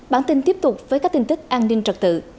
bản tin tiếp tục với các tin tức an ninh trật tự